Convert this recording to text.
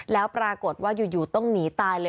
แล้วปรากฏว่าอยู่ต้องหนีตายเลย